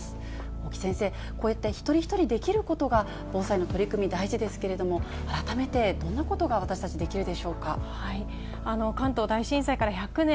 大木先生、こういった一人一人できることが、防災の取り組み、大事ですけれども、改めてどんな関東大震災から１００年。